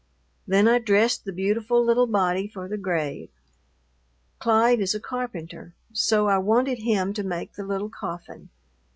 Then I dressed the beautiful little body for the grave. Clyde is a carpenter; so I wanted him to make the little coffin.